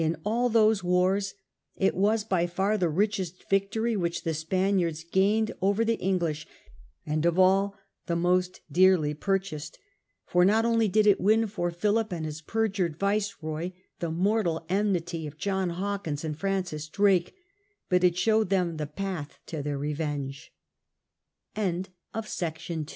In all those wars it was by far the richest victory which the Spaniards gained over I COSTLY TREACHERY 15 the English, and of all the most dearly purchased; for not only did it win for PhiUp and his perjured Viceroy the mortal enmity of John Hawkins and Francis Drake, but it showed them the path to their rev